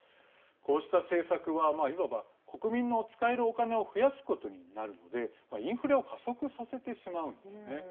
こうした政策はいわば国民の使えるお金を増やすことになるのでインフレを加速させてしまうんですね。